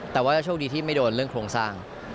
แต่ว่าโชคดีที่ไม่โดนเรื่องโครงสร้าง